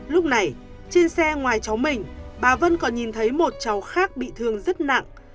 lúc này trên xe ngoài cháu mình bà vân còn nhìn thấy một cháu khác bị thương rất nặng